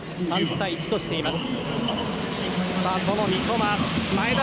３対１としています。